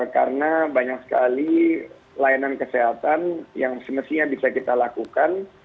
karena banyak sekali layanan kesehatan yang semestinya bisa kita lakukan